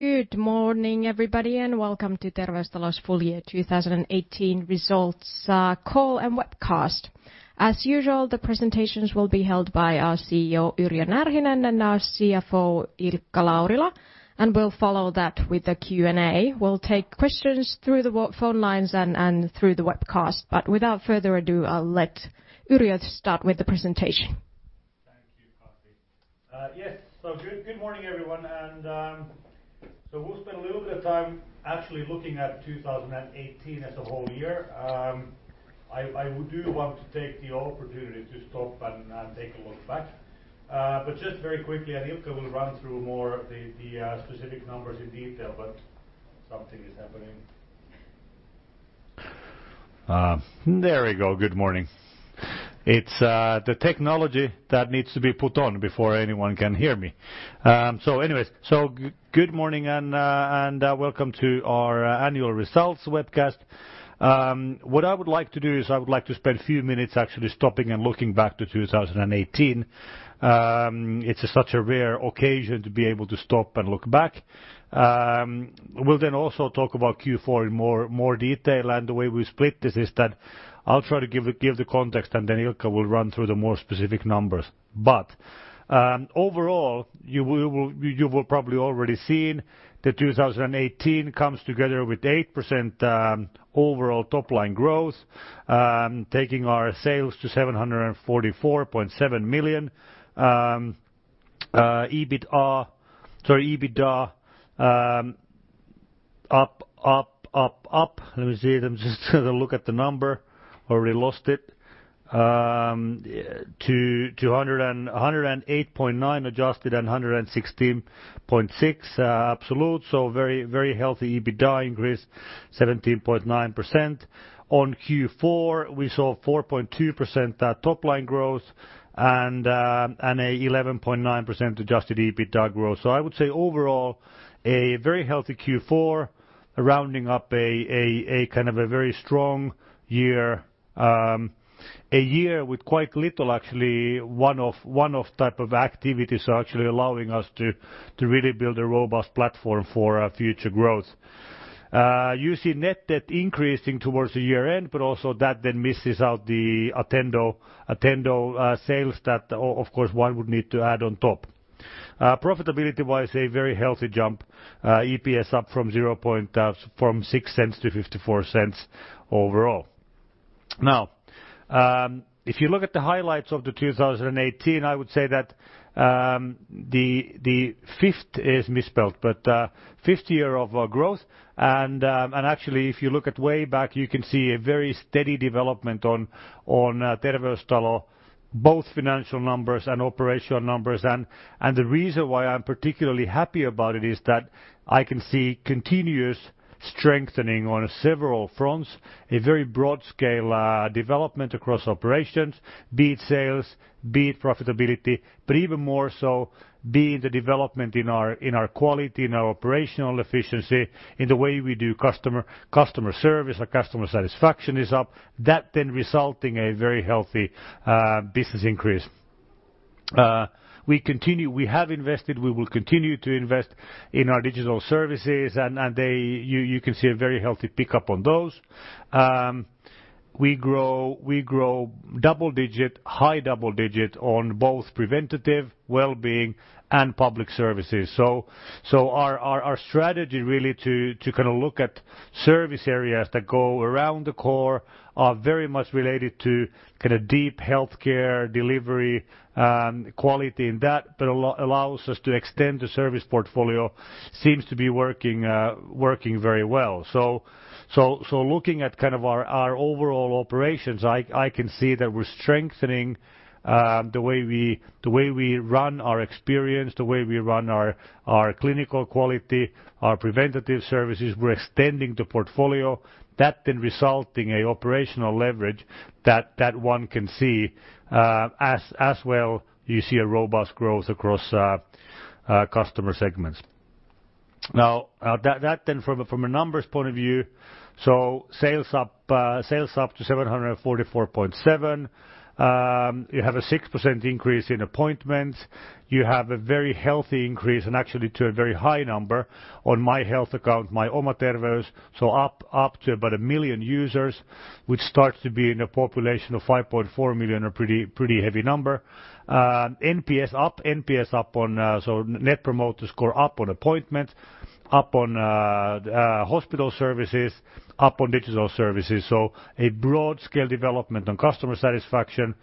Good morning, everybody, and welcome to Terveystalo's full year 2018 results call and webcast. As usual, the presentations will be held by our Chief Executive Officer, Yrjö Närhinen, and our Chief Financial Officer, Ilkka Laurila. We'll follow that with a Q&A. We'll take questions through the phone lines and through the webcast. Without further ado, I'll let Yrjö start with the presentation. Thank you, Kati. Yes. Good morning, everyone. We'll spend a little bit of time actually looking at 2018 as a whole year. I do want to take the opportunity to stop and take a look back. Just very quickly, Ilkka will run through more of the specific numbers in detail. Something is happening. There we go, good morning. It's the technology that needs to be put on before anyone can hear me. Anyways, good morning and welcome to our annual results webcast. What I would like to do is I would like to spend a few minutes actually stopping and looking back to 2018. It's such a rare occasion to be able to stop and look back. We'll then also talk about Q4 in more detail. The way we split this is that I'll try to give the context. Ilkka will run through the more specific numbers. Overall, you will probably already seen that 2018 comes together with 8% overall top-line growth, taking our sales to 744.7 million. EBITDA up. Let me see. Let me just look at the number. Already lost it. To 108.9 adjusted and 116.6 absolute, very healthy EBITDA increase, 17.9%. On Q4, we saw 4.2% top-line growth and a 11.9% Adjusted EBITDA growth. I would say overall, a very healthy Q4 rounding up a very strong year. A year with quite little, actually, one-off type of activities are actually allowing us to really build a robust platform for our future growth. You see net debt increasing towards the year-end. Also that then misses out the Attendo sales that, of course, one would need to add on top. Profitability-wise, a very healthy jump. EPS up from 0.06 to 0.54 overall. If you look at the highlights of the 2018, I would say that the fifth is misspelled, but fifth year of our growth. Actually, if you look at way back, you can see a very steady development on Terveystalo, both financial numbers and operational numbers. The reason why I'm particularly happy about it is that I can see continuous strengthening on several fronts, a very broad scale development across operations, be it sales, be it profitability, but even more so be it the development in our quality, in our operational efficiency, in the way we do customer service. Our customer satisfaction is up. Resulting a very healthy business increase. We have invested, we will continue to invest in our digital services, and you can see a very healthy pickup on those. We grow high double-digit on both preventative well-being and public services. Our strategy really to look at service areas that go around the core are very much related to deep healthcare delivery quality and that allows us to extend the service portfolio seems to be working very well. Looking at our overall operations, I can see that we're strengthening the way we run our experience, the way we run our clinical quality, our preventative services. We're extending the portfolio that resulting a operational leverage that one can see. You see a robust growth across customer segments. From a numbers point of view, sales up to 744.7. You have a 6% increase in appointments. You have a very healthy increase and actually to a very high number on My Health Account, My Oma Terveys up to about a million users, which starts to be in a population of 5.4 million, a pretty heavy number. NPS up. Net promoter score up on appointment, up on hospital services, up on digital services. A broad scale development on customer satisfaction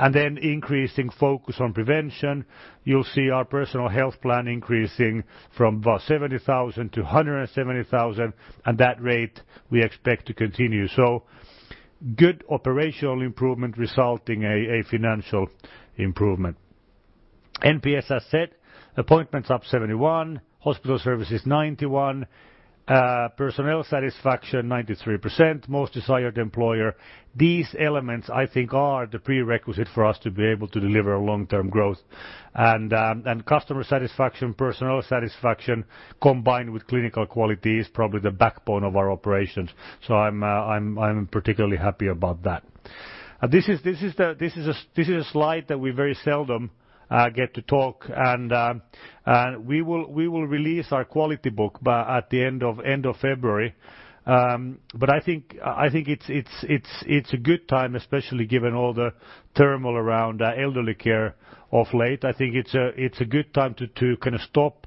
increasing focus on prevention. You'll see our personal health plan increasing from about 70,000 to 170,000. That rate we expect to continue. Good operational improvement resulting a financial improvement. NPS, as said, appointments up 71%, hospital services 91%, personnel satisfaction 93%, most desired employer. These elements, I think, are the prerequisite for us to be able to deliver long-term growth. Customer satisfaction, personnel satisfaction, combined with clinical quality is probably the backbone of our operations. I'm particularly happy about that. This is a slide that we very seldom get to talk. We will release our quality book at the end of February. I think it's a good time, especially given all the turmoil around elderly care of late. I think it's a good time to stop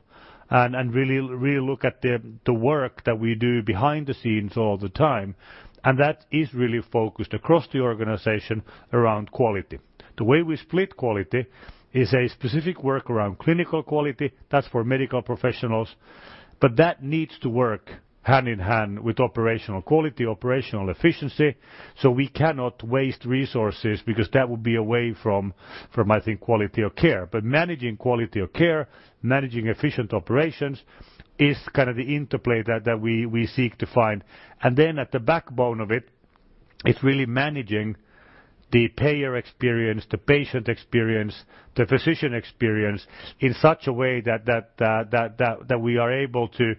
and really look at the work that we do behind the scenes all the time, that is really focused across the organization around quality. The way we split quality is a specific work around clinical quality, that's for medical professionals, but that needs to work hand in hand with operational quality, operational efficiency. We cannot waste resources because that would be away from, I think, quality of care. Managing quality of care, managing efficient operations is the interplay that we seek to find. At the backbone of it's really managing the payer experience, the patient experience, the physician experience in such a way that we are able to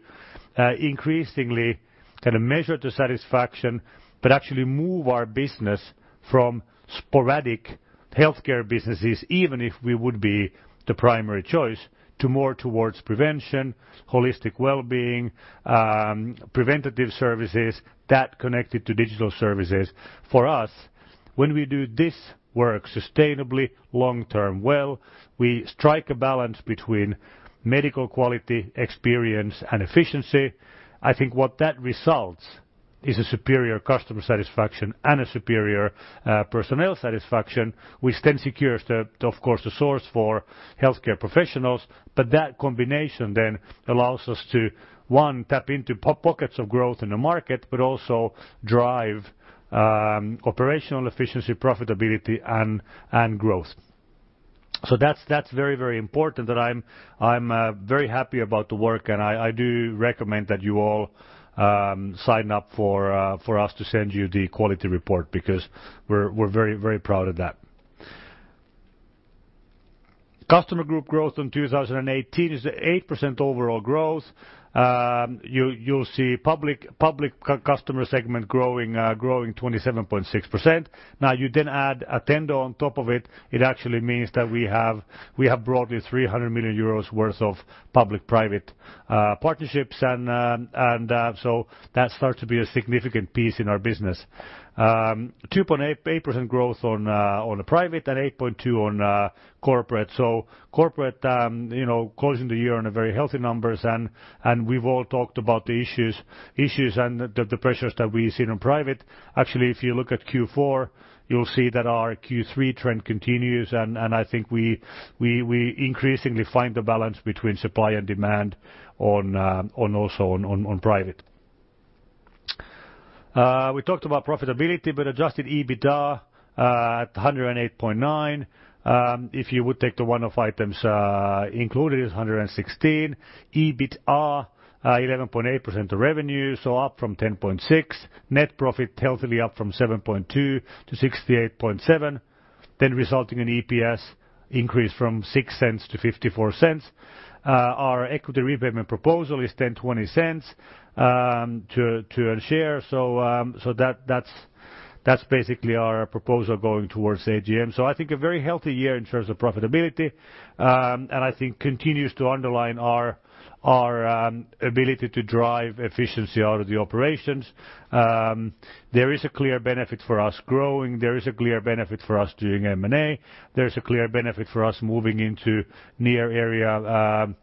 increasingly measure the satisfaction, but actually move our business from sporadic healthcare businesses, even if we would be the primary choice, to more towards prevention, holistic well-being, preventative services that connected to digital services. For us, when we do this work sustainably long-term well, we strike a balance between medical quality experience and efficiency. I think what that results is a superior customer satisfaction and a superior personnel satisfaction, which then secures the, of course, the source for healthcare professionals. That combination allows us to, one, tap into pockets of growth in the market, but also drive operational efficiency, profitability and growth. That's very important that I'm very happy about the work and I do recommend that you all sign up for us to send you the quality report because we're very proud of that. Customer group growth in 2018 is 8% overall growth. You'll see public customer segment growing 27.6%. Now you then add Attendo on top of it. It actually means that we have broadly 300 million euros worth of public-private partnerships. That starts to be a significant piece in our business. 2.8% growth on the private and 8.2% on corporate. Corporate closing the year on very healthy numbers and we've all talked about the issues and the pressures that we've seen in private. Actually, if you look at Q4, you'll see that our Q3 trend continues, and I think I increasingly find the balance between supply and demand also on private. We talked about profitability, but Adjusted EBITDA at 108.9. If you would take the one-off items included is 116. EBITA 11.8% of revenue, so up from 10.6%. Net profit healthily up from 7.2 to 68.7, then resulting in EPS increase from 0.06 to 0.54. Our equity repayment proposal is then EUR 0.20 per share. That's basically our proposal going towards AGM. I think a very healthy year in terms of profitability, and I think continues to underline our ability to drive efficiency out of the operations. There is a clear benefit for us growing. There is a clear benefit for us doing M&A. There's a clear benefit for us moving into near area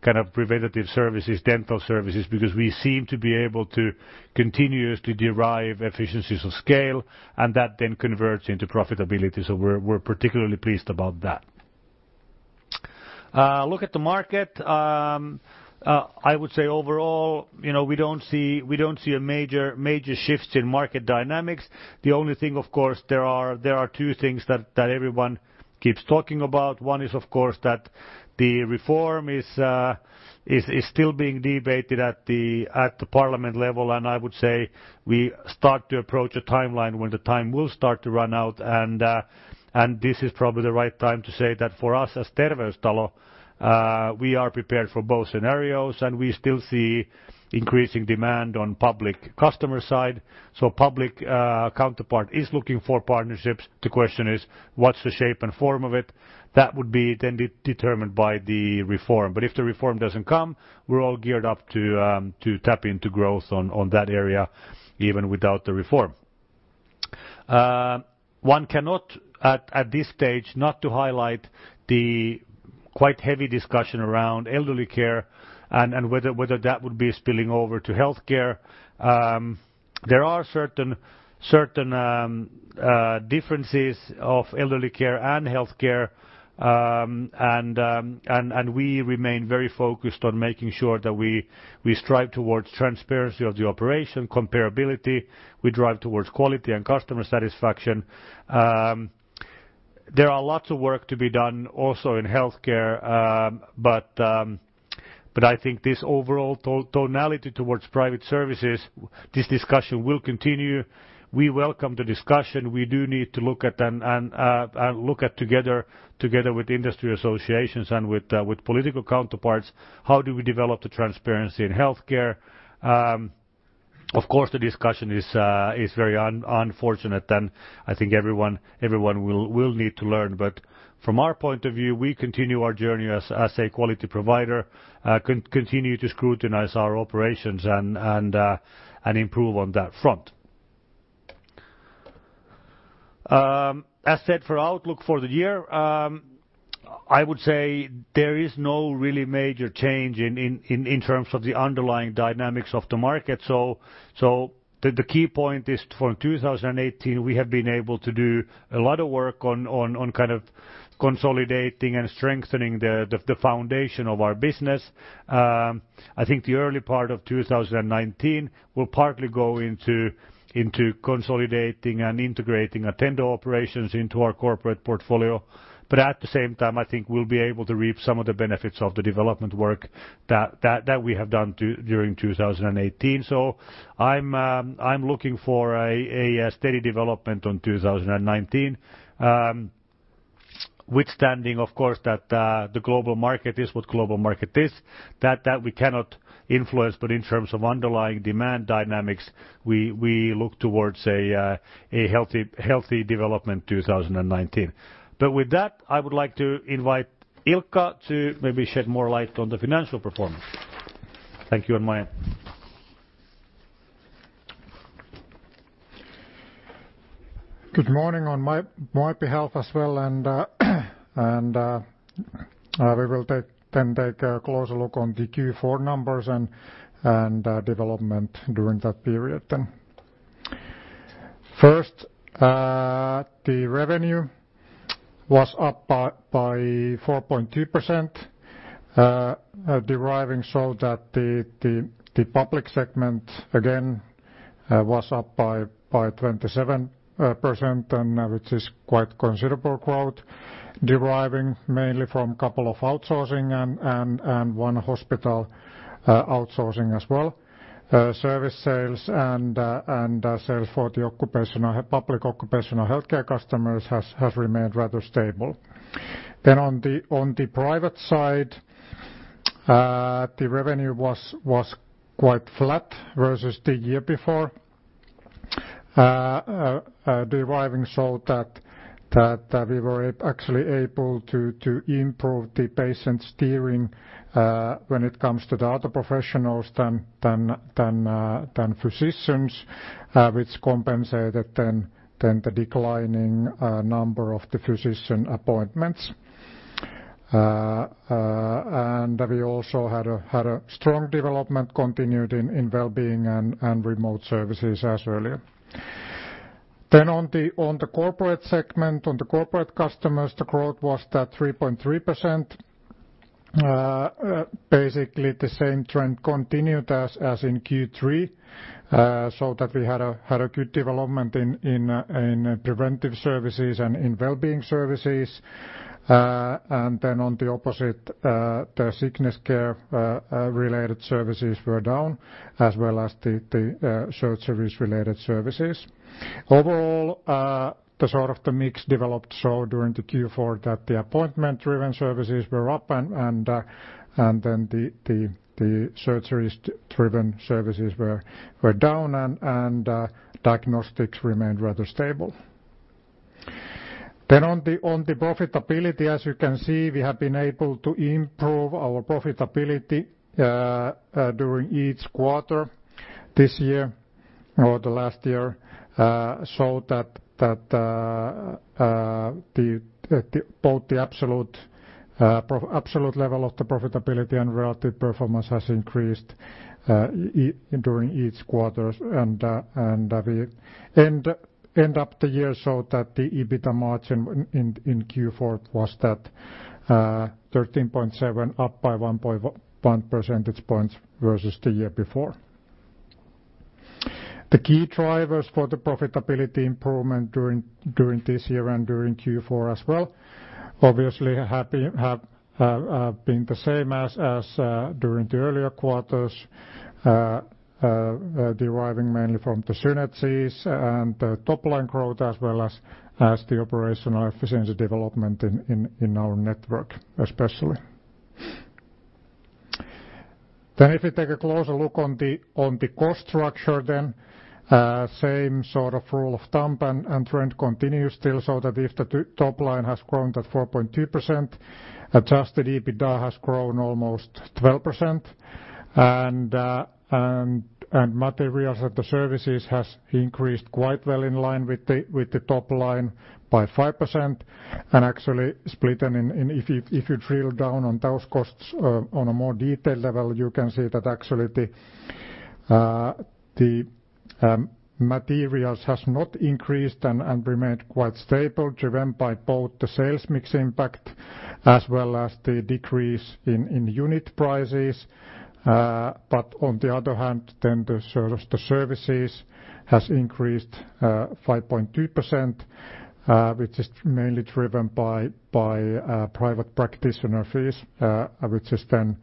preventative services, dental services, because we seem to be able to continuously derive efficiencies of scale, and that then converts into profitability. We're particularly pleased about that. Look at the market. I would say overall we don't see a major shifts in market dynamics. The only thing, of course, there are two things that everyone keeps talking about. One is, of course, that the reform is still being debated at the parliament level, and I would say we start to approach a timeline when the time will start to run out and this is probably the right time to say that for us as Terveystalo we are prepared for both scenarios and we still see increasing demand on public customer side. Public counterpart is looking for partnerships. The question is what's the shape and form of it? That would be then determined by the reform. If the reform doesn't come, we're all geared up to tap into growth on that area even without the reform. One cannot at this stage not to highlight the quite heavy discussion around elderly care and whether that would be spilling over to healthcare. There are certain differences of elderly care and healthcare, and we remain very focused on making sure that we strive towards transparency of the operation comparability. We drive towards quality and customer satisfaction. There are lots of work to be done also in healthcare. I think this overall tonality towards private services, this discussion will continue. We welcome the discussion. We do need to look at together with industry associations and with political counterparts, how do we develop the transparency in healthcare? Of course, the discussion is very unfortunate, and I think everyone will need to learn. From our point of view, we continue our journey as a quality provider, continue to scrutinize our operations, and improve on that front. As said, for outlook for the year, I would say there is no really major change in terms of the underlying dynamics of the market. The key point is for 2018, we have been able to do a lot of work on consolidating and strengthening the foundation of our business. I think the early part of 2019 will partly go into consolidating and integrating Attendo operations into our corporate portfolio. At the same time, I think we'll be able to reap some of the benefits of the development work that we have done during 2018. I'm looking for a steady development on 2019. Withstanding, of course, that the global market is what global market is, that we cannot influence, but in terms of underlying demand dynamics, we look towards a healthy development 2019. With that, I would like to invite Ilkka to maybe shed more light on the financial performance. Thank you. Good morning on my behalf as well. We will then take a closer look on the Q4 numbers and development during that period then. First, the revenue was up by 4.2%, deriving that the public segment, again, was up by 27%, which is quite considerable growth, deriving mainly from couple of outsourcing and one hospital outsourcing as well. Service sales and sales for the public occupational healthcare customers has remained rather stable. On the private side, the revenue was quite flat versus the year before, deriving that we were actually able to improve the patient steering, when it comes to the other professionals than physicians, which compensated then the declining number of the physician appointments. We also had a strong development continued in wellbeing and remote services as earlier. On the corporate segment, on the corporate customers, the growth was at 3.3%. Basically, the same trend continued as in Q3, that we had a good development in preventive services and in wellbeing services. Then on the opposite, the sickness care related services were down, as well as the surgery-related services. Overall, the mix developed during the Q4 that the appointment-driven services were up then the surgeries-driven services were down, and diagnostics remained rather stable. On the profitability, as you can see, we have been able to improve our profitability during each quarter this year or the last year, that both the absolute level of the profitability and relative performance has increased during each quarters. End of the year showed that the EBITDA margin in Q4 was that 13.7 up by 1.1 percentage points versus the year before. The key drivers for the profitability improvement during this year and during Q4 as well, obviously have been the same as during the earlier quarters, deriving mainly from the synergies and the top-line growth as well as the operational efficiency development in our network, especially. If you take a closer look on the cost structure then, same sort of rule of thumb and trend continues still, so that if the top line has grown to 4.2%, Adjusted EBITDA has grown almost 12%, and materials and services has increased quite well in line with the top line by 5%. Actually, if you drill down on those costs on a more detailed level, you can see that actually the materials has not increased and remained quite stable, driven by both the sales mix impact as well as the decrease in unit prices. On the other hand, then the services has increased 5.2%, which is mainly driven by private practitioner fees, which is then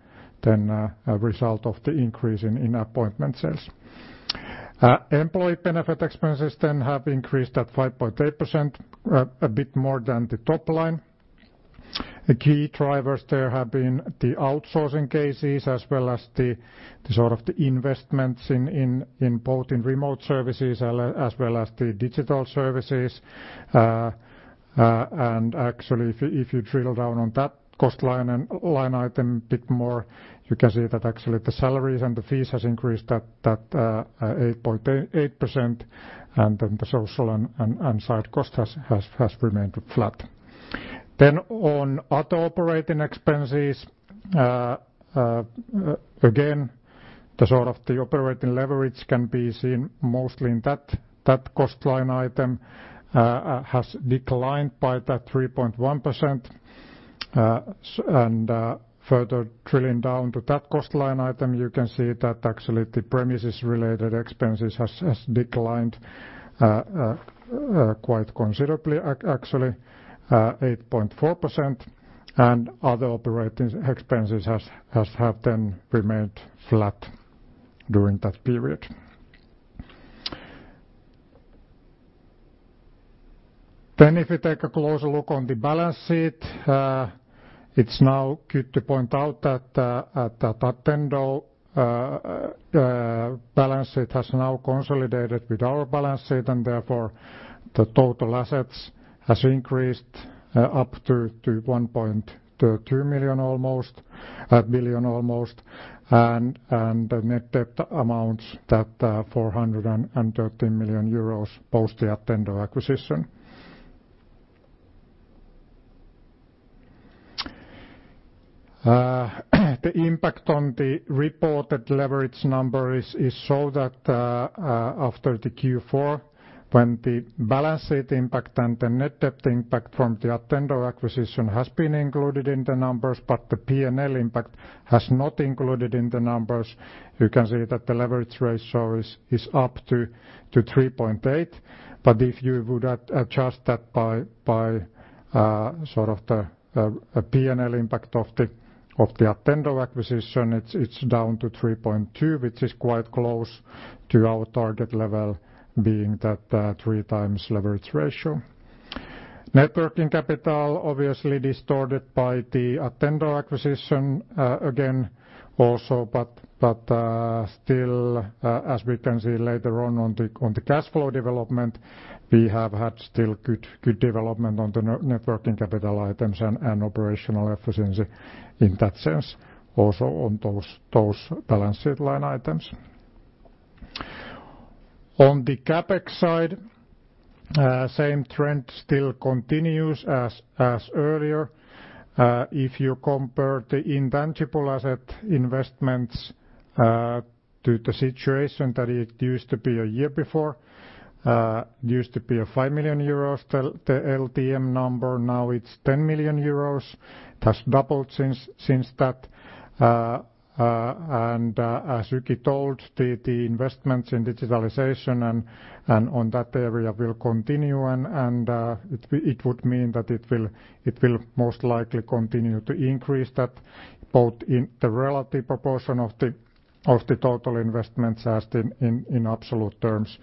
a result of the increase in appointment sales. Employee benefit expenses then have increased at 5.8%, a bit more than the top line. The key drivers there have been the outsourcing cases as well as the investments both in remote services as well as the digital services. Actually, if you drill down on that cost line item a bit more, you can see that actually the salaries and the fees has increased that 8.8%, and then the social and ancillary costs has remained flat. On other operating expenses, again, the operating leverage can be seen mostly in that cost line item has declined by that 3.1%. Further drilling down to that cost line item, you can see that actually the premises-related expenses has declined quite considerably, actually 8.4%, and other operating expenses have then remained flat during that period. If you take a closer look on the balance sheet, it is now good to point out that Attendo balance sheet has now consolidated with our balance sheet, and therefore the total assets has increased up to 1.2 billion almost, and the net debt amounts that 413 million euros post the Attendo acquisition. The impact on the reported leverage number is so that after the Q4, when the balance sheet impact and the net debt impact from the Attendo acquisition has been included in the numbers, but the P&L impact has not included in the numbers, you can see that the leverage ratio is up to 3.8. If you would adjust that by the P&L impact of the Attendo acquisition, it is down to 3.2, which is quite close to our target level being that three times leverage ratio. Net working capital obviously distorted by the Attendo acquisition, again, also, but still, as we can see later on on the cash flow development, we have had still good development on the net working capital items and operational efficiency in that sense, also on those balance sheet line items. On the CapEx side, same trend still continues as earlier. If you compare the intangible asset investments to the situation that it used to be a year before, used to be 5 million euros, the LTM number, now it is 10 million euros. It has doubled since that. As Yrjö told, the investments in digitalization and on that area will continue, it would mean that it will most likely continue to increase that both in the relative proportion of the total investments as in absolute terms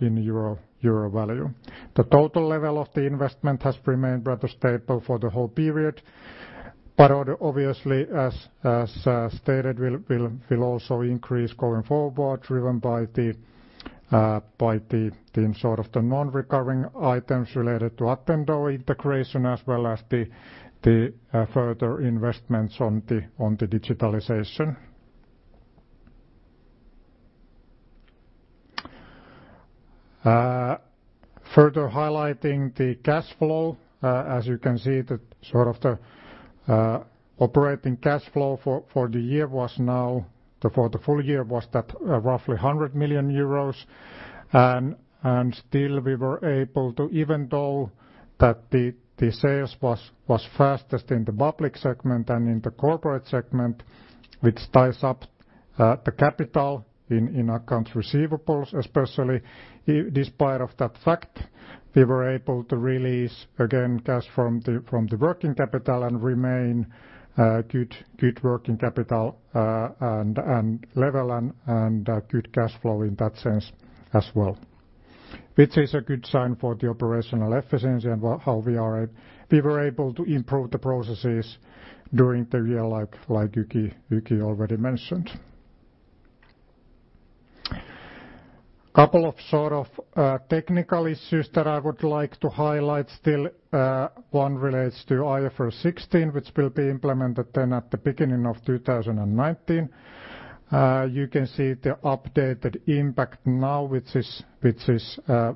in euro value. The total level of the investment has remained rather stable for the whole period, obviously, as stated, will also increase going forward, driven by the non-recurring items related to Attendo integration as well as the further investments on the digitalization. Highlighting the cash flow, as you can see, the operating cash flow for the year was now, for the full year, was that roughly 100 million euros. Still we were able to, even though that the sales was fastest in the public segment than in the corporate segment, which ties up the capital in accounts receivables, especially in despite of that fact, we were able to release, again, cash from the working capital and remain good working capital and level and good cash flow in that sense as well, which is a good sign for the operational efficiency and how we were able to improve the processes during the year like Yrjö already mentioned. Technical issues that I would like to highlight still. One relates to IFRS 16, which will be implemented then at the beginning of 2019. You can see the updated impact now, which is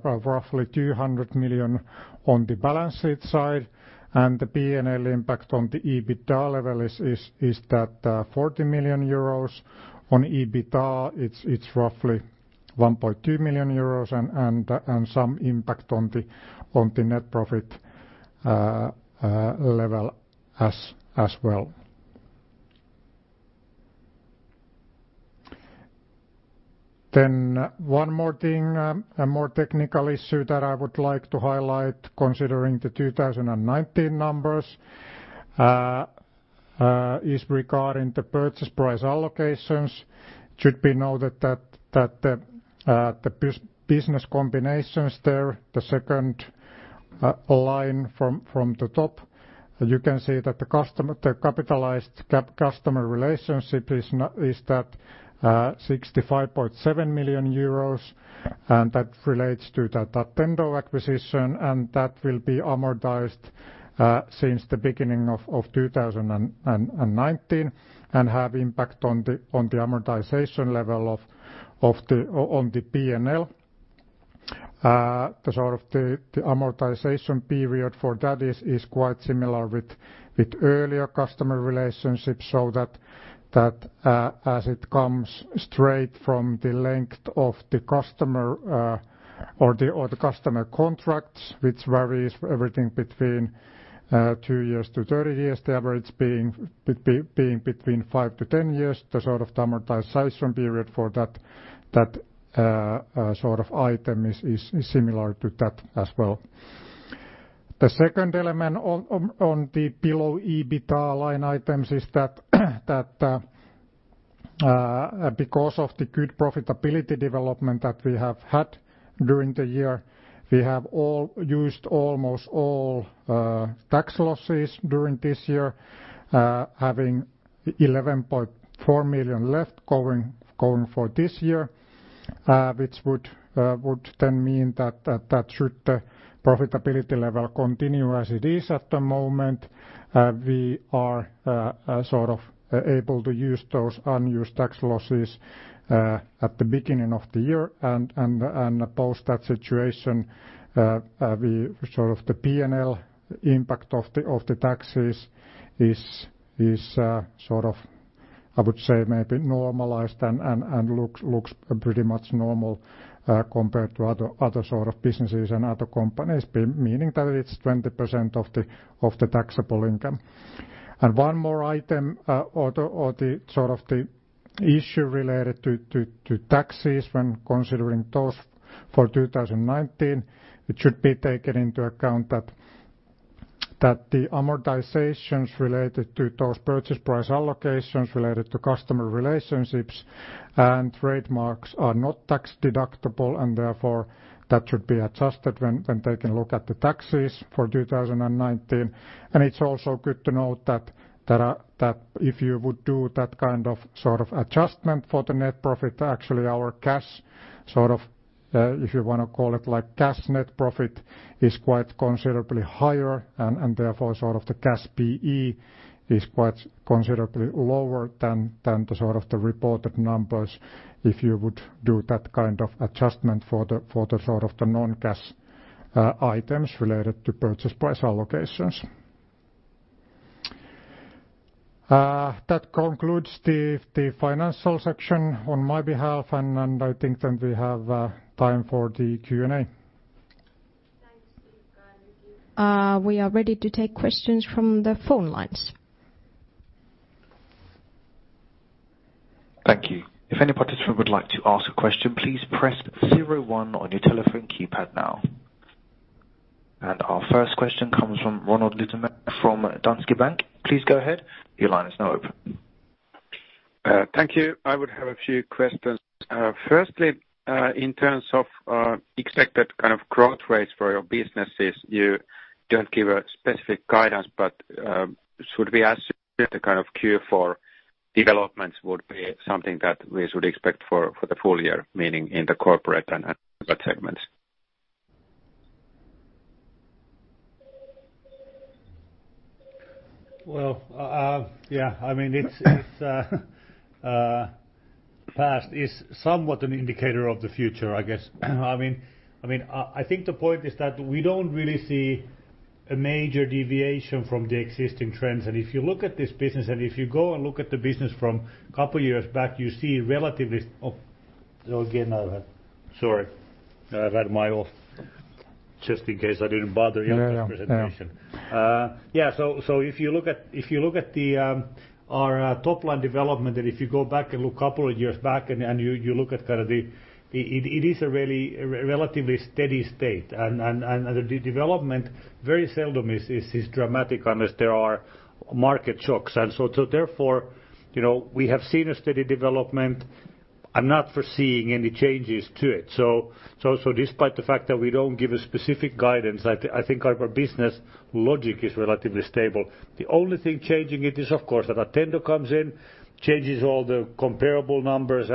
roughly 200 million on the balance sheet side, and the P&L impact on the EBITDA level is that 40 million euros. On EBITDA, it's roughly 1.2 million euros and some impact on the net profit level as well. One more thing, a more technical issue that I would like to highlight considering the 2019 numbers is regarding the purchase price allocations. It should be noted that the business combinations there, the second line from the top, you can see that the capitalized customer relationship is that 65.7 million euros, that relates to that Attendo acquisition, and that will be amortized since the beginning of 2019 and have impact on the amortization level on the P&L. The amortization period for that is quite similar with earlier customer relationships, as it comes straight from the length of the customer or the customer contracts, which varies everything between 2-30 years, the average being between 5-10 years, the sort of amortization period for that sort of item is similar to that as well. The second element on the below EBITA line items is that because of the good profitability development that we have had during the year, we have used almost all tax losses during this year, having 11.4 million left going for this year, which would then mean that should the profitability level continue as it is at the moment, we are able to use those unused tax losses at the beginning of the year and post that situation, the P&L impact of the taxes is, I would say, maybe normalized and looks pretty much normal compared to other sort of businesses and other companies, meaning that it's 20% of the taxable income. One more item or the issue related to taxes when considering those for 2019, it should be taken into account that the amortizations related to those purchase price allocations related to customer relationships and trademarks are not tax deductible, therefore, that should be adjusted when taking a look at the taxes for 2019. It's also good to note that if you would do that kind of adjustment for the net profit, actually our cash, if you want to call it like cash net profit, is quite considerably higher, therefore, the cash P/E is quite considerably lower than the sort of the reported numbers if you would do that kind of adjustment for the non-cash items related to purchase price allocations. That concludes the financial section on my behalf, and I think then we have time for the Q&A. Thanks you. We are ready to take questions from the phone lines. Thank you. If any participant would like to ask a question, please press zero one on your telephone keypad now. Our first question comes from Roni Peuranheimo from Danske Bank. Please go ahead. Your line is now open. Thank you. I would have a few questions. Firstly, in terms of expected kind of growth rates for your businesses, you don't give a specific guidance, but should we assume that the kind of Q4 developments would be something that we should expect for the full year, meaning in the corporate and other segments? Well, yeah. The past is somewhat an indicator of the future, I guess. I think the point is that we don't really see a major deviation from the existing trends. If you look at this business, if you go and look at the business from couple years back. Oh, again, sorry. I had my off just in case I didn't bother you with the presentation. No. Yeah. If you look at our top-line development, if you go back and look couple of years back, it is a really relatively steady state. The development very seldom is dramatic unless there are market shocks. Therefore, we have seen a steady development. I'm not foreseeing any changes to it. Despite the fact that we don't give a specific guidance, I think our business logic is relatively stable. The only thing changing it is, of course, that Attendo comes in, changes all the comparable numbers,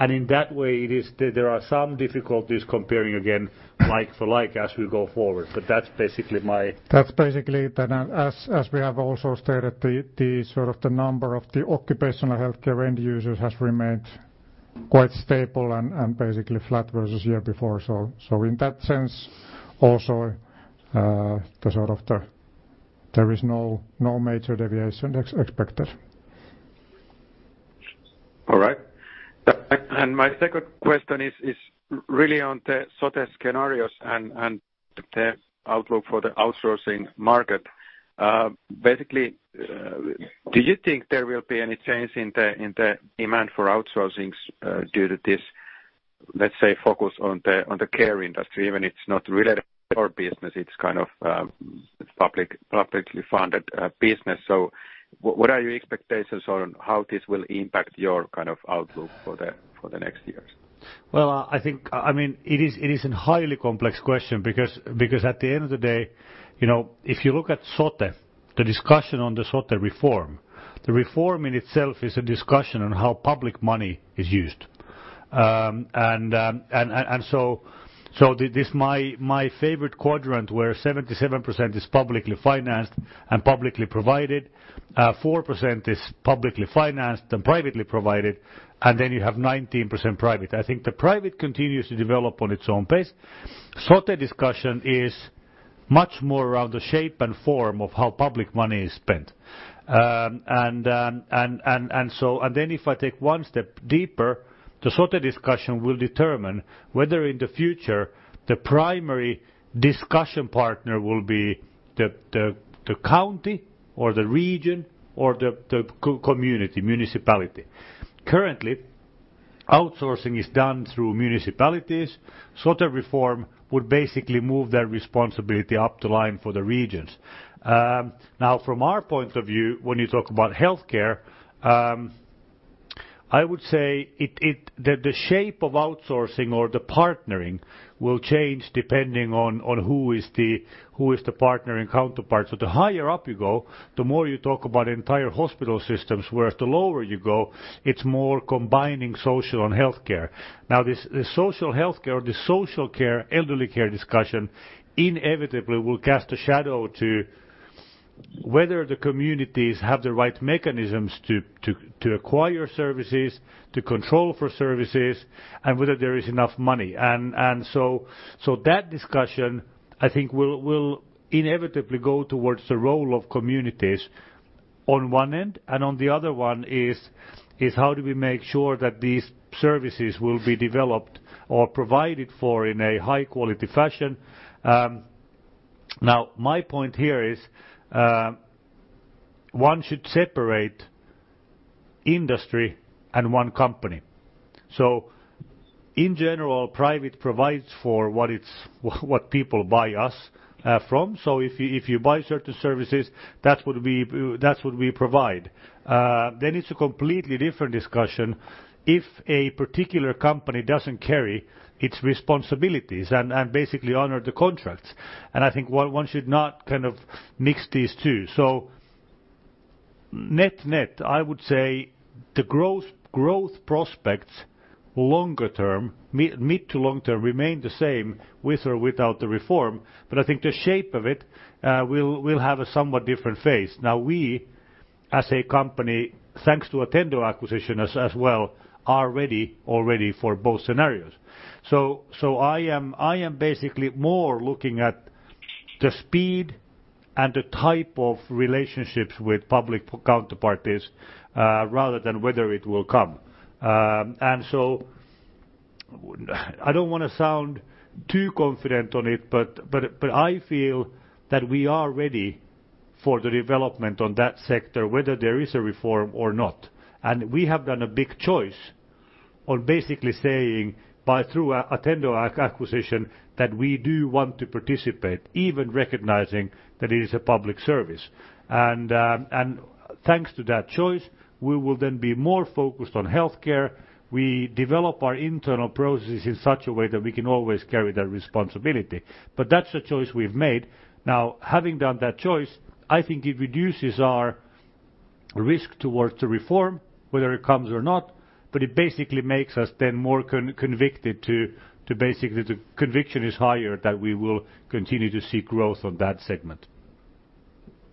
in that way, there are some difficulties comparing again, like for like as we go forward. That's basically it. As we have also stated, the sort of the number of the occupational healthcare end users has remained quite stable and basically flat versus year before. In that sense also, there is no major deviation expected. My second question is really on the Sote scenarios and the outlook for the outsourcing market. Basically, do you think there will be any change in the demand for outsourcings due to this, let's say, focus on the care industry, even it's not really our business, it's kind of publicly funded business. What are your expectations on how this will impact your kind of outlook for the next years? It is a highly complex question because at the end of the day, if you look at Sote, the discussion on the Sote reform, the reform in itself is a discussion on how public money is used. This my favorite quadrant where 77% is publicly financed and publicly provided, 4% is publicly financed and privately provided, and then you have 19% private. I think the private continues to develop on its own pace. Sote discussion is much more around the shape and form of how public money is spent. If I take one step deeper, the Sote discussion will determine whether in the future the primary discussion partner will be the county or the region or the community municipality. Currently, outsourcing is done through municipalities. Sote reform would basically move that responsibility up the line for the regions. From our point of view, when you talk about healthcare, I would say that the shape of outsourcing or the partnering will change depending on who is the partnering counterpart. The higher up you go, the more you talk about entire hospital systems, whereas the lower you go, it's more combining social and healthcare. This social healthcare or this social care, elderly care discussion inevitably will cast a shadow to whether the communities have the right mechanisms to acquire services, to control for services, and whether there is enough money. That discussion, I think will inevitably go towards the role of communities on one end, and on the other one is how do we make sure that these services will be developed or provided for in a high-quality fashion? My point here is, one should separate industry and one company. In general, private provides for what people buy us from. If you buy certain services, that's what we provide. It's a completely different discussion if a particular company doesn't carry its responsibilities and basically honor the contracts. I think one should not kind of mix these two. Net-net, I would say the growth prospects longer term, mid to long term remain the same with or without the reform. I think the shape of it will have a somewhat different phase. We as a company, thanks to Attendo acquisition as well, are ready already for both scenarios. I am basically more looking at the speed and the type of relationships with public counterparties, rather than whether it will come. I don't want to sound too confident on it, but I feel that we are ready for the development on that sector, whether there is a reform or not. We have done a big choice on basically saying by through Attendo acquisition that we do want to participate, even recognizing that it is a public service. Thanks to that choice, we will then be more focused on healthcare. We develop our internal processes in such a way that we can always carry that responsibility. That's the choice we've made. Having done that choice, I think it reduces our risk towards the reform, whether it comes or not, but it basically makes us then more convicted to basically the conviction is higher that we will continue to see growth on that segment.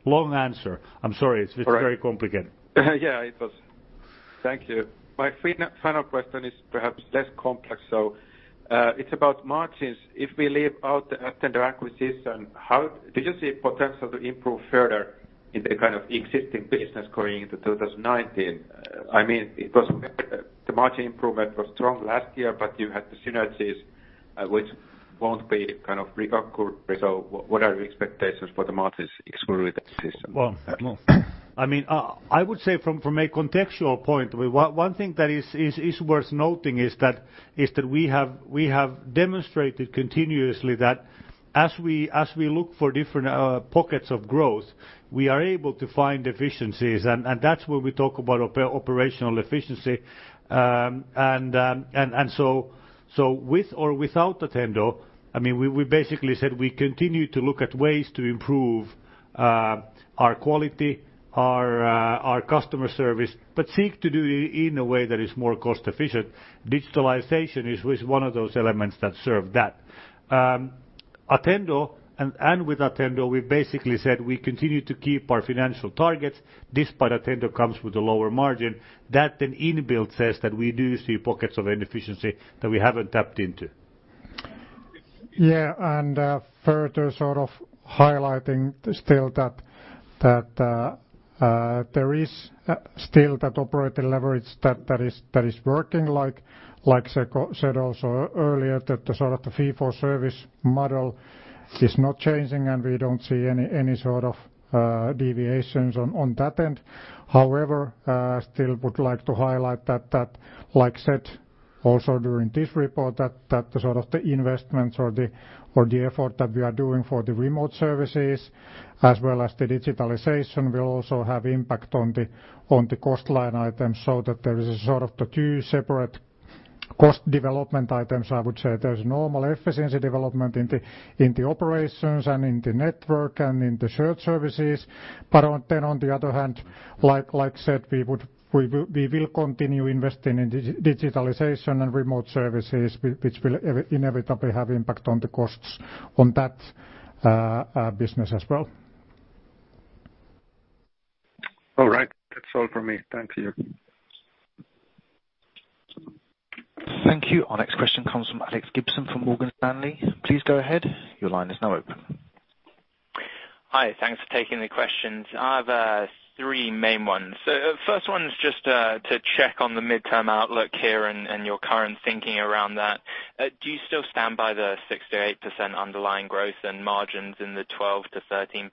Long answer, I'm sorry. It's very complicated. Yeah, it was. Thank you. My final question is perhaps less complex. It's about margins. If we leave out the Attendo acquisition, do you see potential to improve further in the kind of existing business going into 2019? I mean, because the margin improvement was strong last year, but you had the synergies, which won't reoccur. What are your expectations for the margins excluding that system? Well, I would say from a contextual point, one thing that is worth noting is that we have demonstrated continuously that as we look for different pockets of growth, we are able to find efficiencies, and that's where we talk about operational efficiency. With or without Attendo, we basically said we continue to look at ways to improve our quality, our customer service, but seek to do it in a way that is more cost efficient. Digitalization is one of those elements that serve that. With Attendo, we basically said we continue to keep our financial targets. This part Attendo comes with a lower margin. That then inbuilt says that we do see pockets of inefficiency that we haven't tapped into. Yeah, further sort of highlighting still that there is still that operating leverage that is working like Yrjö said also earlier, that the sort of the fee for service model is not changing and we don't see any sort of deviations on that end. However, still would like to highlight that, like said. Also during this report that the sort of the investments or the effort that we are doing for the remote services as well as the digitalization will also have impact on the cost line items so that there is a sort of the two separate cost development items, I would say there's normal efficiency development in the operations and in the network and in the shared services. On the other hand, like I said, we will continue investing in digitalization and remote services, which will inevitably have impact on the costs on that business as well. All right. That's all from me. Thank you. Thank you. Our next question comes from Alex Gibson, from Morgan Stanley. Please go ahead. Your line is now open. Hi. Thanks for taking the questions. I have three main ones. First one is just to check on the midterm outlook here and your current thinking around that. Do you still stand by the 6%-8% underlying growth and margins in the 12%-13%?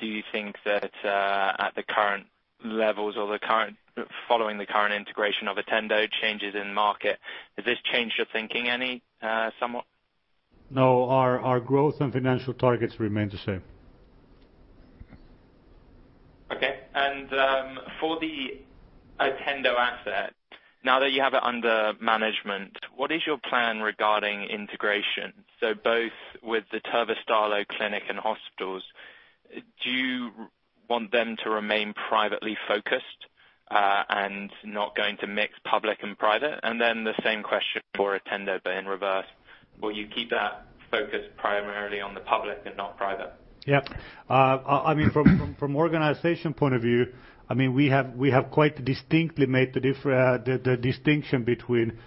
Do you think that at the current levels or following the current integration of Attendo changes in market, has this changed your thinking somewhat? No, our growth and financial targets remain the same. Okay. For the Attendo asset, now that you have it under management, what is your plan regarding integration? Both with the Terveystalo clinic and hospitals, do you want them to remain privately focused, and not going to mix public and private? The same question for Attendo, but in reverse. Will you keep that focused primarily on the public and not private? Yeah. From organization point of view, we have quite distinctly made the distinction between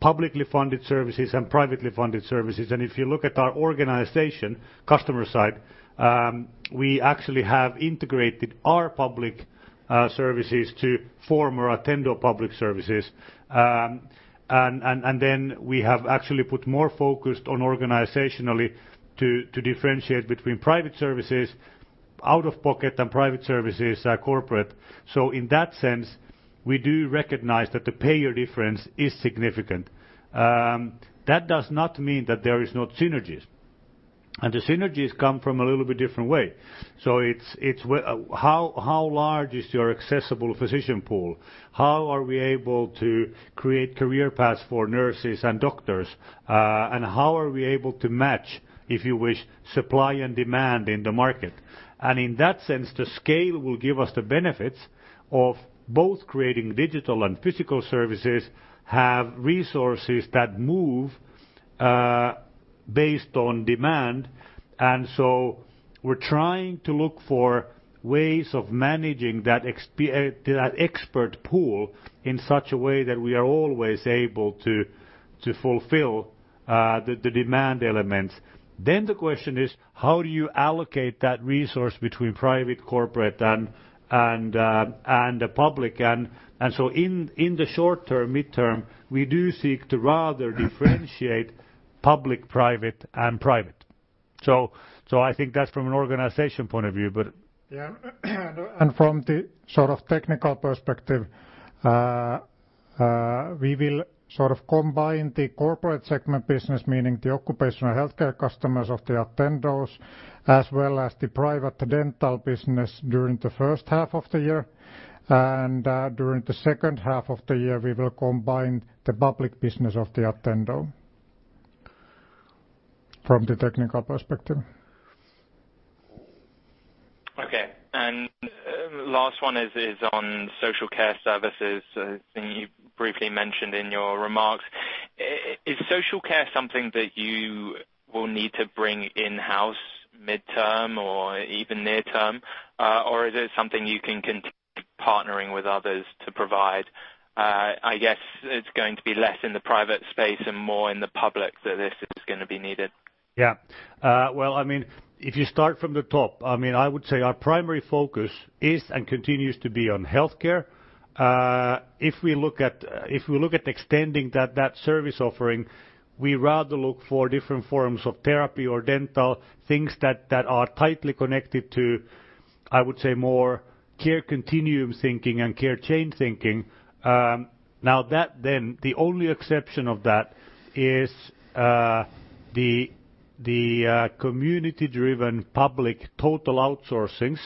publicly funded services and privately funded services. If you look at our organization, customer side, we actually have integrated our public services to former Attendo public services. We have actually put more focus on organizationally to differentiate between private services, out of pocket and private services are corporate. In that sense, we do recognize that the payer difference is significant. That does not mean that there is no synergies, the synergies come from a little bit different way. It's how large is your accessible physician pool? How are we able to create career paths for nurses and doctors? How are we able to match, if you wish, supply and demand in the market? In that sense, the scale will give us the benefits of both creating digital and physical services, have resources that move based on demand. We're trying to look for ways of managing that expert pool in such a way that we are always able to fulfill the demand elements. The question is, how do you allocate that resource between private, corporate, and the public? In the short term, midterm, we do seek to rather differentiate public, private and private. I think that's from an organization point of view. Yeah. From the sort of technical perspective, we will sort of combine the corporate segment business, meaning the occupational healthcare customers of the Attendo's, as well as the private dental business during the first half of the year. During the second half of the year, we will combine the public business of Attendo from the technical perspective. Okay. Last one is on social care services, you briefly mentioned in your remarks. Is social care something that you will need to bring in-house midterm or even near term? Or is it something you can continue partnering with others to provide? I guess it's going to be less in the private space and more in the public that this is going to be needed. Yeah. Well, if you start from the top, I would say our primary focus is and continues to be on healthcare. If we look at extending that service offering, we rather look for different forms of therapy or dental things that are tightly connected to, I would say, more care continuum thinking and care chain thinking. The only exception of that is the community-driven public total outsourcing's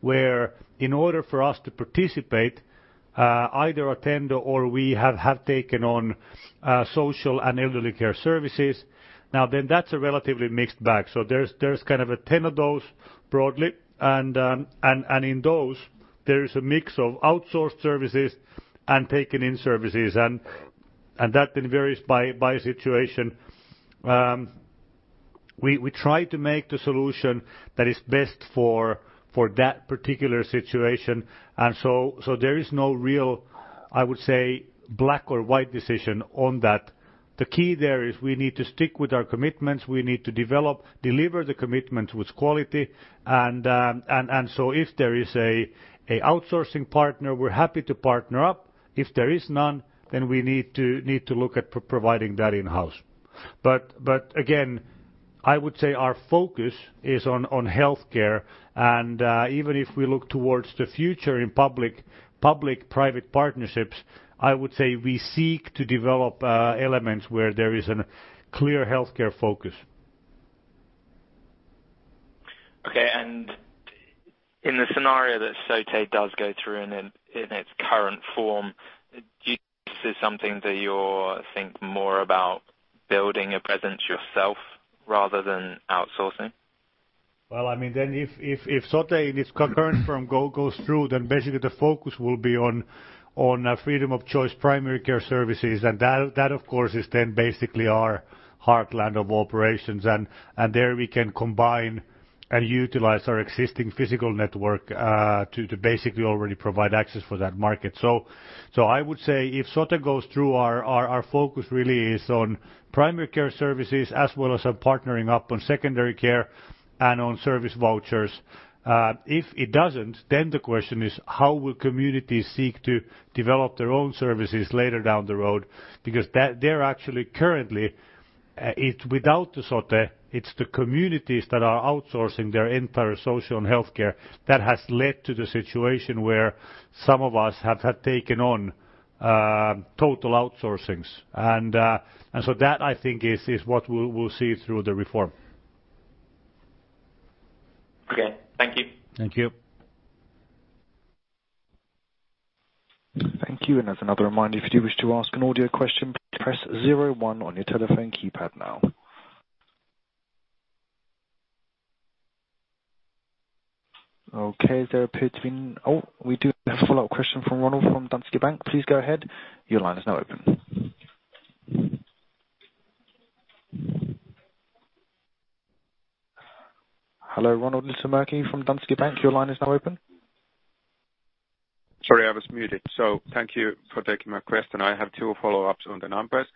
where in order for us to participate, either Attendo or we have taken on social and elderly care services. That's a relatively mixed bag. There's kind of a ten of those broadly, and in those there is a mix of outsourced services and taken in services and that then varies by situation. We try to make the solution that is best for that particular situation. There is no real, I would say, black or white decision on that. The key there is we need to stick with our commitments. We need to develop, deliver the commitment with quality. If there is a outsourcing partner, we're happy to partner up. If there is none, then we need to look at providing that in-house. Again, I would say our focus is on healthcare, and even if we look towards the future in public-private partnerships, I would say we seek to develop elements where there is a clear healthcare focus. Okay. In the scenario that Sote does go through in its current form, do you see something that you think more about building a presence yourself rather than outsourcing? If Sote in its current form goes through, then basically the focus will be on freedom of choice primary care services, that of course is then basically our heartland of operations. There we can combine and utilize our existing physical network to basically already provide access for that market. I would say if Sote goes through, our focus really is on primary care services as well as partnering up on secondary care and on service vouchers. If it doesn't, then the question is how will communities seek to develop their own services later down the road? Because there actually currently, without the Sote, it's the communities that are outsourcing their entire social and healthcare that has led to the situation where some of us have had taken on total outsourcings. That I think is what we'll see through the reform. Okay. Thank you. Thank you. Thank you. As another reminder, if you do wish to ask an audio question, please press zero one on your telephone keypad now. There appear to be we do have a follow-up question from Roni from Danske Bank. Please go ahead. Your line is now open. Hello, Roni Peuranheimo from Danske Bank. Your line is now open. Sorry, I was muted. Thank you for taking my question. I have two follow-ups on the numbers.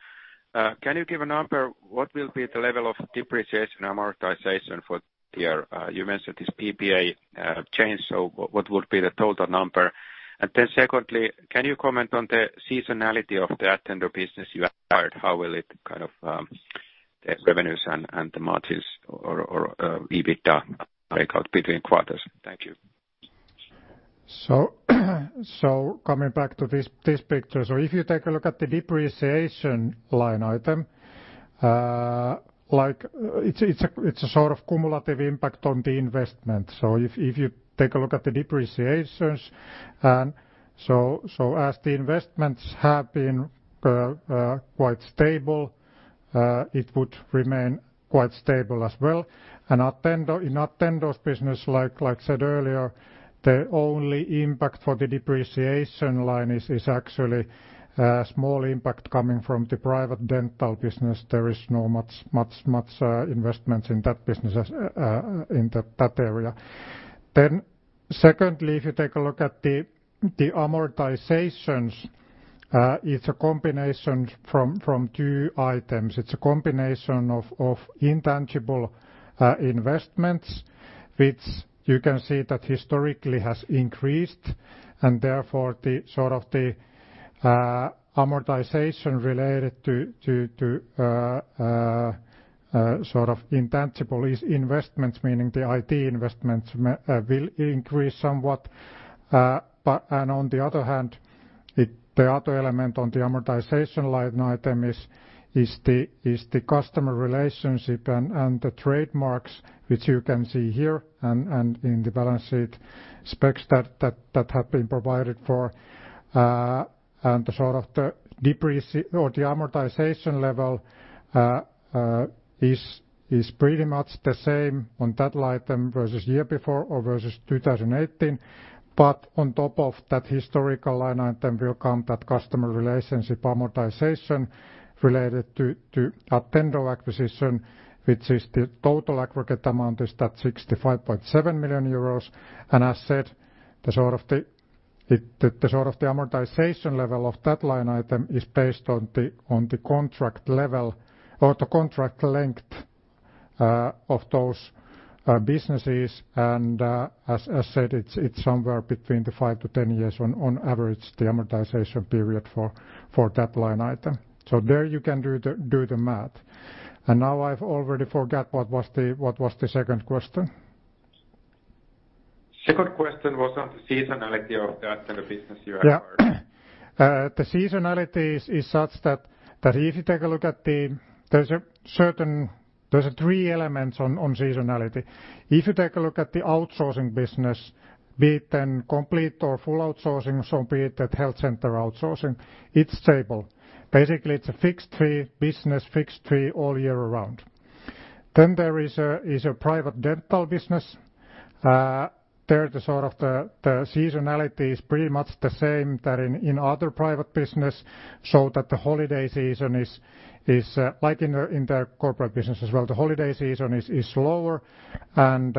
Can you give a number, what will be the level of depreciation amortization for the year? You mentioned this PPA charge, what would be the total number? Secondly, can you comment on the seasonality of the Attendo business you acquired, how will it kind of, the revenues and the margins or EBITDA breakout between quarters? Thank you. Coming back to this picture. If you take a look at the depreciation line item, it's a sort of cumulative impact on the investment. If you take a look at the depreciations, as the investments have been quite stable, it would remain quite stable as well. In Attendo's business, like I said earlier, the only impact for the depreciation line is actually a small impact coming from the private dental business. There is not much investments in that business, in that area. Secondly, if you take a look at the amortizations, it's a combination from two items. It's a combination of intangible investments, which you can see that historically has increased, therefore the sort of the amortization related to sort of intangible investments, meaning the IT investments will increase somewhat. On the other hand, the other element on the amortization line item is the customer relationship and the trademarks, which you can see here, and in the balance sheet specs that have been provided for. The sort of the amortization level is pretty much the same on that line item versus year before or versus 2018. On top of that historical line item will come that customer relationship amortization related to Attendo acquisition, which is the total aggregate amount is that 65.7 million euros. As I said, the sort of the amortization level of that line item is based on the contract level or the contract length of those businesses. As I said, it's somewhere between the 5-10 years on average, the amortization period for that line item. There you can do the math. Now I've already forgot what was the second question. Second question was on the seasonality of the Attendo business you acquired. The seasonality is such that if you take a look at the There's three elements on seasonality. If you take a look at the outsourcing business, be it then complete or full outsourcing, so be it at health center outsourcing, it's stable. Basically, it's a fixed fee business, fixed fee all year round. There is a private dental business. There the sort of the seasonality is pretty much the same that in other private business, so that the holiday season is like in the corporate business as well. The holiday season is slower and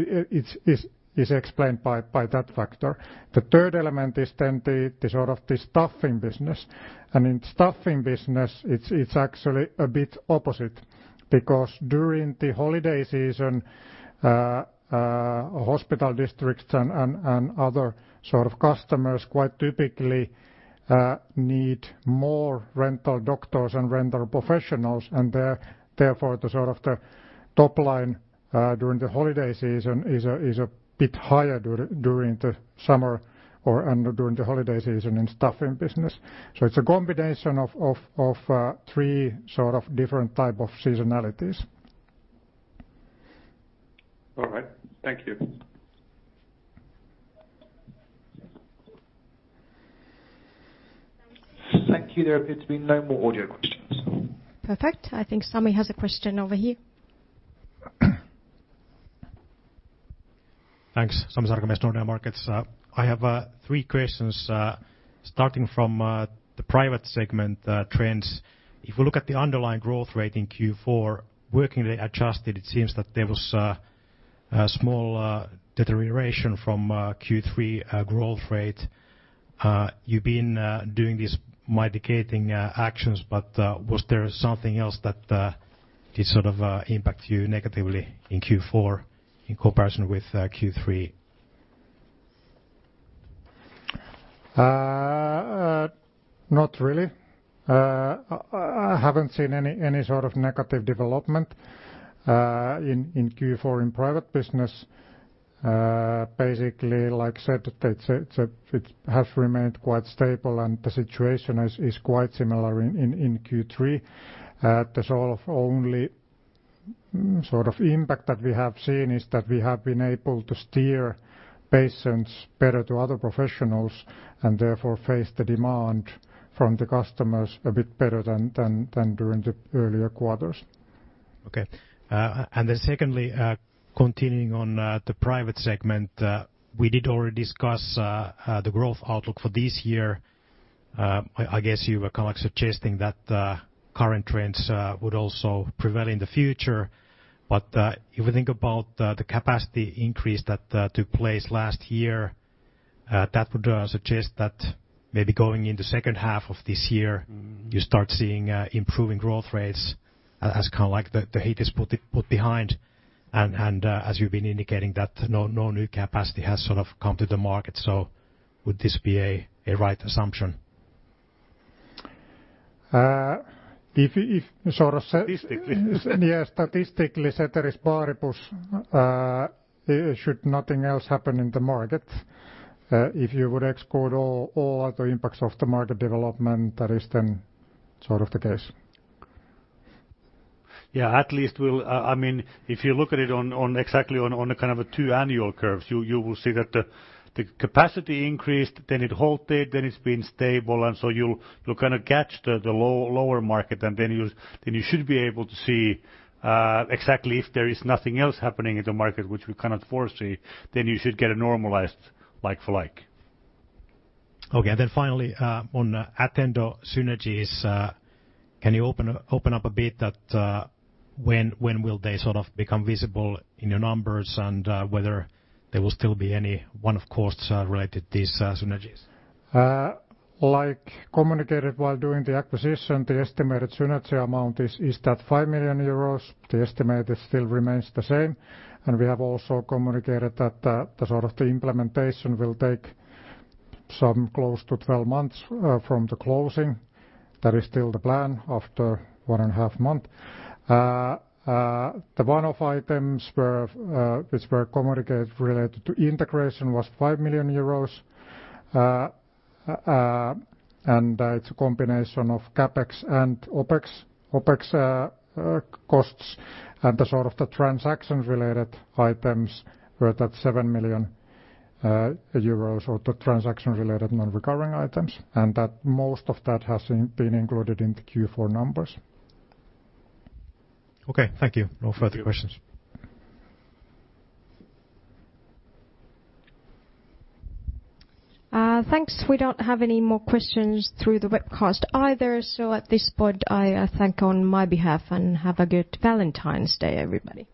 it's explained by that factor. The third element is the staffing business. In staffing business, it's actually a bit opposite because during the holiday season, hospital districts and other sort of customers quite typically need more rental doctors and rental professionals. Therefore, the top line during the holiday season is a bit higher during the summer or during the holiday season and staffing business. It's a combination of three sort of different type of seasonalities. All right. Thank you. Thank you. There appear to be no more audio questions. Perfect. I think Sami has a question over here. Thanks. Sami Sarkamies, Nordea Markets. I have three questions starting from the private segment trends. If we look at the underlying growth rate in Q4, working day adjusted, it seems that there was a small deterioration from Q3 growth rate. You've been doing these mitigating actions, but was there something else that did sort of impact you negatively in Q4 in comparison with Q3? Not really. I haven't seen any sort of negative development in Q4 in private business. Basically, like I said, it has remained quite stable, and the situation is quite similar in Q3. The only sort of impact that we have seen is that we have been able to steer patients better to other professionals and therefore face the demand from the customers a bit better than during the earlier quarters. Okay. Secondly, continuing on the private segment, we did already discuss the growth outlook for this year. I guess you were kind of suggesting that current trends would also prevail in the future, but if we think about the capacity increase that took place last year, that would suggest that maybe going in the second half of this year. You start seeing improving growth rates as kind of like the heat is put behind and as you've been indicating that no new capacity has sort of come to the market. Would this be a right assumption? If you sort of said. Statistically Yeah, statistically ceteris paribus, should nothing else happen in the market, if you would exclude all other impacts of the market development, that is then sort of the case. Yeah, at least we'll. If you look at it exactly on a kind of two annual curves, you will see that the capacity increased, then it halted, then it's been stable, and so you'll kind of catch the lower market, and then you should be able to see exactly if there is nothing else happening in the market, which we cannot foresee, then you should get a normalized like for like. Okay. Finally, on Attendo synergies, can you open up a bit that when will they sort of become visible in your numbers and whether there will still be any one-off costs related to these synergies? Like communicated while doing the acquisition, the estimated synergy amount is that 5 million euros. The estimate still remains the same. We have also communicated that the sort of the implementation will take some close to 12 months from the closing. That is still the plan after one and a half months. The one-off items which were communicated related to integration was 5 million euros. It's a combination of CapEx and OpEx costs and the sort of the transaction-related items were that EUR 7 million, so the transaction-related non-recurring items, and that most of that has been included in the Q4 numbers. Okay. Thank you. No further questions. Thanks. We don't have any more questions through the webcast either. At this point, I thank on my behalf and have a good Valentine's Day, everybody.